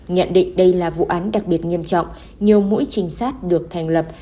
nhận định đây là vụ án đặc biệt nghiêm trọng nhiều mũi trinh sát được thành lập